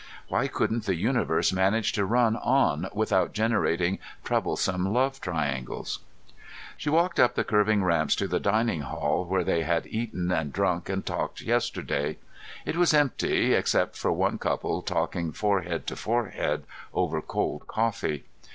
Why couldn't the universe manage to run on without generating troublesome love triangles? She walked up the curving ramps to the dining hall where they had eaten and drunk and talked yesterday. It was empty except for one couple talking forehead to forehead over cold coffee.